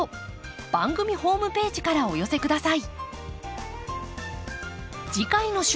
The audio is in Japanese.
番組ホームページからお寄せ下さい。